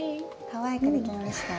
かわいくできました。